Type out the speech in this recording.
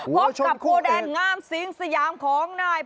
พบกับโคแดงงามสิงสยามของนาย